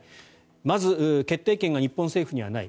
まず、決定権が日本政府にはない。